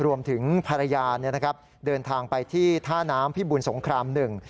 รวมถึงภรรยาเดินทางไปที่ท่าน้ำพิบุญสงครามหนึ่ง